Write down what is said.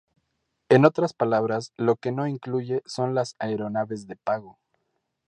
En otras palabras, lo que no incluye son las aeronaves de pago.